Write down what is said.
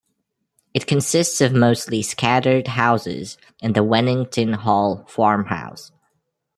It consists of mostly scattered houses and the Wennington Hall farmhouse.